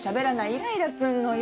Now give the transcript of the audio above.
イライラすんのよ。